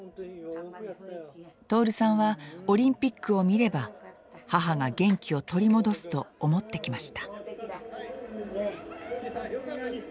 徹さんはオリンピックを見れば母が元気を取り戻すと思ってきました。